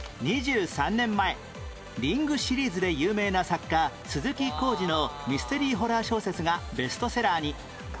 ２３年前『リング』シリーズで有名な作家鈴木光司のミステリーホラー小説がベストセラーに